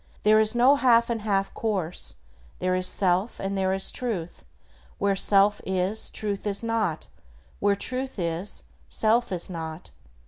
There is no half and half course; "There is self and there is Truth; where self is, Truth is not, where Truth is, self is not."